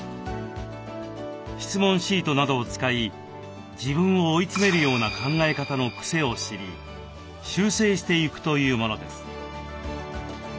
質問シートなどを使い自分を追い詰めるような考え方のクセを知り修正していくというものです。